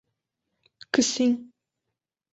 Que sim.